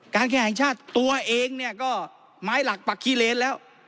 แข่งชาติตัวเองเนี่ยก็ไม้หลักปักขี้เลนแล้ว